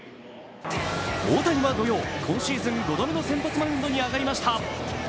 大谷は土曜、今シーズン５度目の先発マウンドに上がりました。